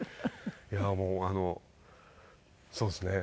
いやもうそうですね。